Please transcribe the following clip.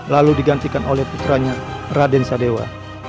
lalu digantikan oleh putranya raden sadewa